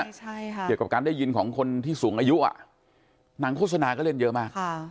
เกี่ยวกับการได้ยินของคนที่สูงอายุนางโฆษณาก็เล่นเยอะมาก